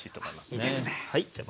あっいいですね。